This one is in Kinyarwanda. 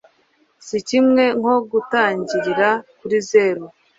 sikimwe nko gutangirira kuri zero.